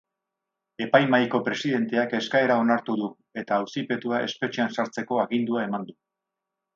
Epai-mahaiko presidenteak eskaera onartu du eta auzipetua espetxean sartzeko agindua eman du.